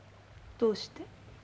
どうして？